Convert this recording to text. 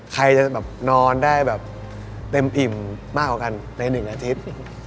ใครจะแบบนอนได้แบบเต็มอิ่มมากกว่ากันใน๑อาทิตย์